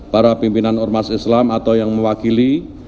para pimpinan ormas islam atau yang mewakili